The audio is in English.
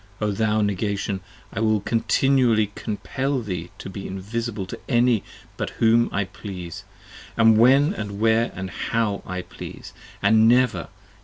O thou Negation, I will continually compell 40 Thee to be invisible to any but whom I please, & when And where & how I please, and never!